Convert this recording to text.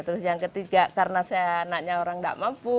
terus yang ketiga karena saya anaknya orang nggak mampu